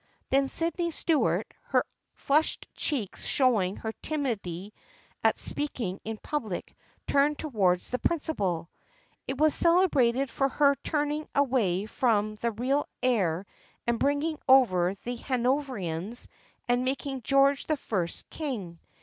Then Sydney Stuart, her flushed cheeks showing her timidity at speaking in public, turned towards the principal. " It was celebrated for her turning away from the real heir and bringing over the Hanoverians and making George the First king.